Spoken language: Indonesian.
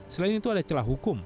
selain itu ada celah hukum